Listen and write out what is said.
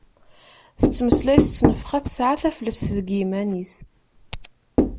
Tettmeslay s ttnefxa, tesɛa taflest deg yiman-is.